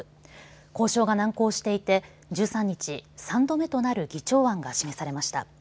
交渉が難航していて１３日、３度目となる議長案が示されました。